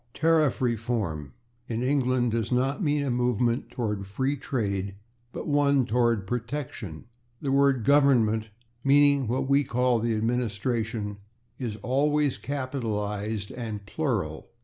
/Tariff reform/, in England, does not mean a movement toward free trade, but one toward protection. The word /Government/, meaning what we call the administration, is always capitalized and plural, /e.